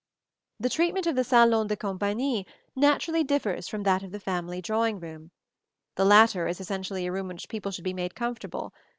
The treatment of the salon de compagnie naturally differs from that of the family drawing room: the latter is essentially a room in which people should be made comfortable.